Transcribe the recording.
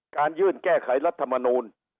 การยื่นแก้ไขรัฐมนุน